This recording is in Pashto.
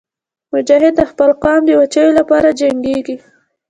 مجاهد د خپل قوم د بچیانو لپاره جنګېږي.